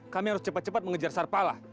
kami harus cepat cepat mengejar sarpala